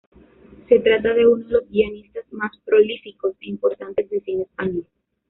Se trata de uno de los guionistas más prolíficos e importantes del cine español.